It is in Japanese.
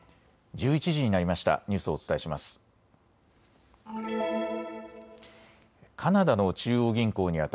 １１時になりました。